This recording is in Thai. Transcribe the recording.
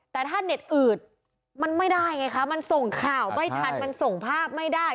แต่ถ้าเน็ตอืดมันไม่ได้ไงคะมันส่งข่าวไม่ทันมันส่งภาพไม่ได้